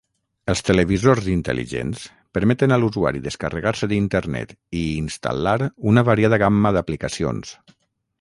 Els televisors intel·ligents permeten a l'usuari descarregar-se d'Internet i instal·lar una variada gamma d'aplicacions.